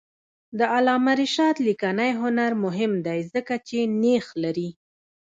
د علامه رشاد لیکنی هنر مهم دی ځکه چې نیښ لري.